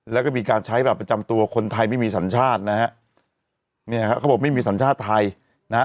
แล้วก็มีการใช้บัตรประจำตัวคนไทยไม่มีสัญชาตินะฮะเนี่ยฮะเขาบอกไม่มีสัญชาติไทยนะฮะ